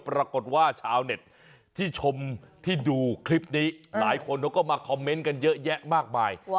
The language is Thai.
ปรากฏว่าชาวเน็ตที่ชมที่ดูคลิปนี้หลายคนเขาก็มาคอมเมนต์กันเยอะแยะมากมาย